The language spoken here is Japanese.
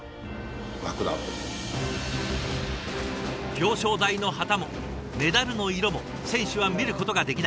表彰台の旗もメダルの色も選手は見ることができない。